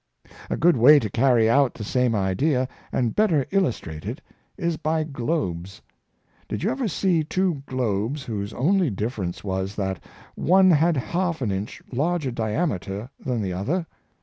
A good way to carry out the same idea, and better illustrate it, is by globes. Did you ever see two globes whose only difference was, that one had half an inch larger diameter than the other